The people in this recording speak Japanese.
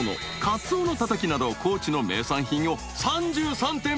カツオのたたきなど高知の名産品を３３点